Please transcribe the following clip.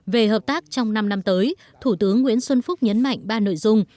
về hợp tác trong năm năm tới thủ tướng nguyễn xuân phúc nhấn mạnh ba nội dung